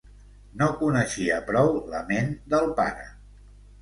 No coneixia prou la ment del pare.